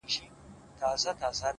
چي ته بېلېږې له مست سوره څخه ـ